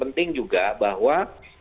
penting juga bahwa